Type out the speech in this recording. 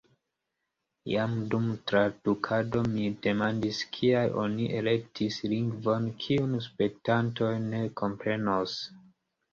Jam dum tradukado mi demandis, kial oni elektis lingvon, kiun spektantoj ne komprenos.